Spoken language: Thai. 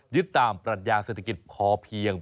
ยึดตามปรัชญาเศรษฐกิจพอเพียง